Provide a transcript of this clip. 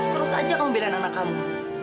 terus aja kamu belain anak kamu